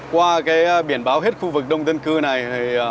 qua biển báo hết khu vực đông dân cư này